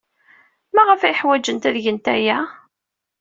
Maɣef ay ḥwajent ad gent aya?